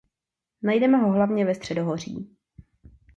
Najdeme ho hlavně ve středohoří.